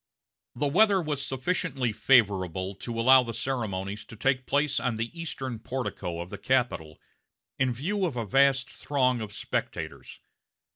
The weather was sufficiently favorable to allow the ceremonies to take place on the eastern portico of the Capitol, in view of a vast throng of spectators.